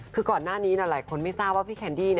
คือก่อนหน้านี้หลายคนไม่ทราบว่าพี่แคนดี้